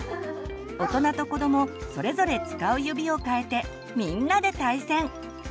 大人と子どもそれぞれ使う指を変えてみんなで対戦！